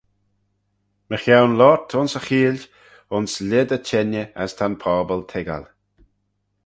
Mychione loayrt ayns y cheeill ayns lhied y çhengey as ta'n pobble toiggal.